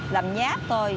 làm nháp thôi